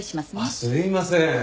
すいません。